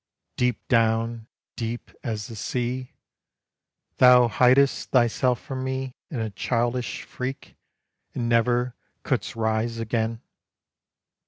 Deep down, deep as the sea, Thou hiddest thyself from me, In a childish freak, And never couldst rise again.